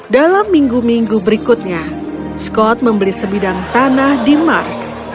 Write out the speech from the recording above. dalam minggu minggu berikutnya scott membeli sebidang tanah di mars